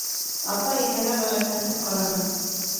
Ата Инәгә ғәжәпһенеп ҡараны.